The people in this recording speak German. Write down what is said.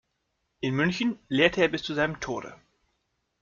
In München lehrte er bis zu seinem Tode.